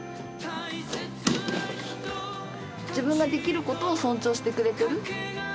自分ができることを尊重してくれてる。